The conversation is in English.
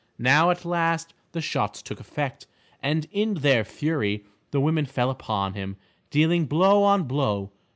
Now at last the shots took effect, and in their fury the women fell upon him, dealing blow on blow.